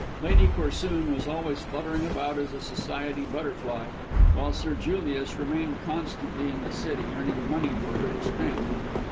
Lady Corsoon was always fluttering about as a society butterfly, while Sir Julius remained constantly in the City, earning money for her to spend.